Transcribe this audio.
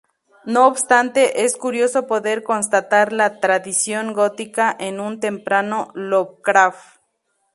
No obstante, es curioso poder constatar la tradición gótica en un temprano Lovecraft.